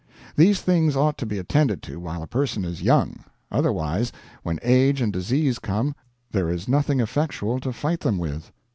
These things ought to be attended to while a person is young; otherwise, when age and disease come, there is nothing effectual to fight them with.